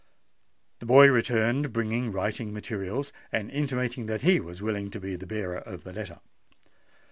The boy returned, bringing writing materials, and intimating that he was willing to be the bearer of the letter.